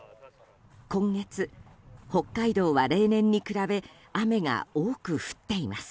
今月、北海道は例年に比べ雨が多く降っています。